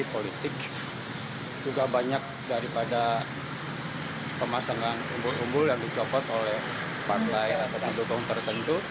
politik juga banyak daripada pemasangan umbul umbul yang dicopot oleh partai atau pendukung tertentu